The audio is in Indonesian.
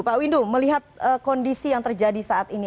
pak windu melihat kondisi yang terjadi saat ini